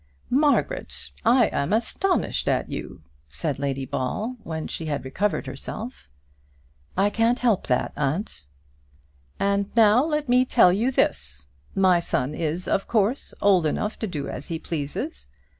"Margaret, I am astonished at you," said Lady Ball, when she had recovered herself. "I can't help that, aunt." "And now let me tell you this. My son is, of course, old enough to do as he pleases.